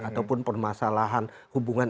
ataupun permasalahan hubungan